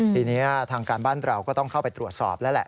ทีนี้ทางการบ้านเราก็ต้องเข้าไปตรวจสอบแล้วแหละ